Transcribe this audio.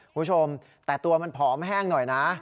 คุณผู้ชมแต่ตัวมันผอมแห้งหน่อยนะ